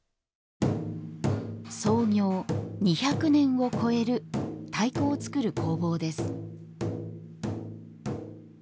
創業２００年を超える太鼓を作る工房です。